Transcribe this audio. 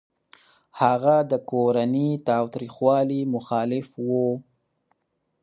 هغه د کورني تاوتريخوالي مخالف و.